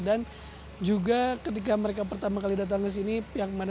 dan juga ketika mereka pertama kali datang ke sini pihak pemadam kebakaran